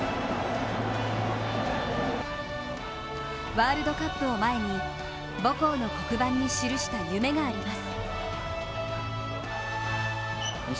ワールドカップを前に母校の黒板に記した夢があります。